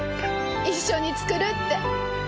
一緒に作るって。